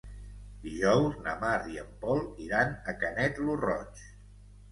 Dijous na Mar i en Pol iran a Canet lo Roig.